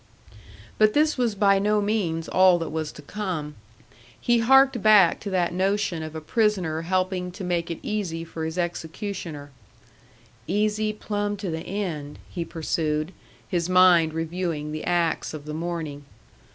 But this was by no means all that was to come. He harked back to that notion of a prisoner helping to make it easy for his executioner. "Easy plumb to the end," he pursued, his mind reviewing the acts of the morning.